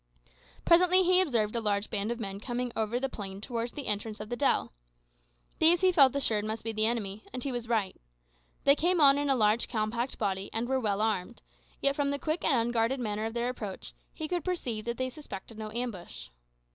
Presently he observed a large band of men coming over the plain towards the entrance of the dell. These, he felt assured, must be the enemy; and he was right. They came on in a large, compact body, and were well armed; yet, from the quick and unguarded manner of their approach, he could perceive that they suspected no ambush.